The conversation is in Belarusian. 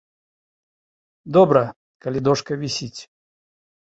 Добра, калі дошка вісіць.